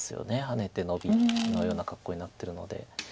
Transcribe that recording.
ハネてノビのような格好になってるので。